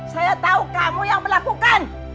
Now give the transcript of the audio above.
saya tahu kamu yang melakukan